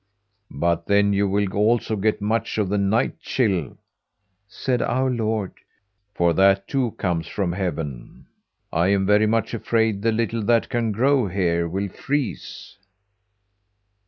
'But then you will also get much of the night chill,' said our Lord, 'for that too comes from heaven. I am very much afraid the little that can grow here will freeze.'